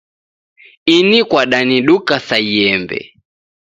Ini kwadaniduka sa iembe